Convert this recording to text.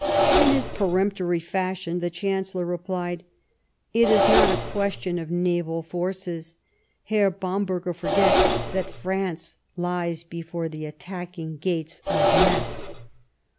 In his peremptory fashion the Chancellor replied : "It is not a quejtion of naval forces ; Herr Bam berger forgets that France lies before the attacking gates of Metz."